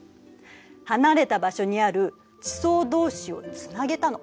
離れた場所にある地層同士をつなげたの。